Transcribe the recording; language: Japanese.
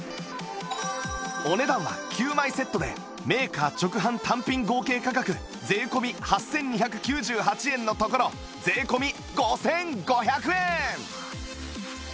お値段は９枚セットでメーカー直販単品合計価格税込８２９８円のところ税込５５００円